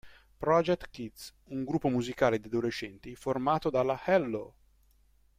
Project Kids, un gruppo musicale di adolescenti formato dalla Hello!